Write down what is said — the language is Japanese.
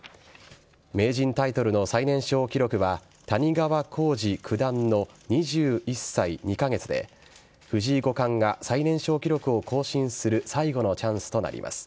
名人タイトルの最年少記録は谷川浩司九段の２１歳２カ月で藤井五冠が最年少記録を更新する最後のチャンスとなります。